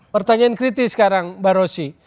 pertanyaan kritis sekarang mbak rosy